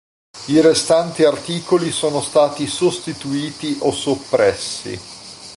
I restanti articoli sono stati sostituiti o soppressi.